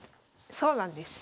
そうなんです。